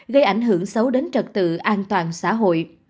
gây ảnh hưởng xấu đến trật tự an toàn xã hội